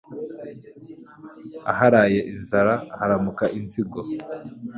aharaye inzara haramuka inzigo